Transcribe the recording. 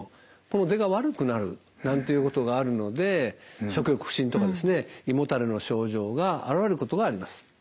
この出が悪くなるなんていうことがあるので食欲不振とかですね胃もたれの症状が現れることがあります。